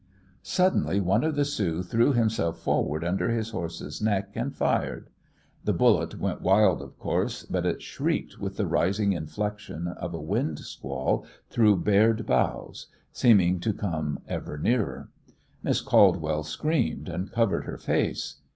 Suddenly one of the Sioux threw himself forward under his horse's neck and fired. The bullet went wild, of course, but it shrieked with the rising inflection of a wind squall through bared boughs, seeming to come ever nearer. Miss Caldwell screamed and covered her face.